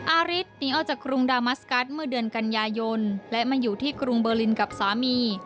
อาริสหนีออกจากกรุงดามัสกัสเมื่อเดือนกันยายนและมาอยู่ที่กรุงเบอร์ลินกับสามี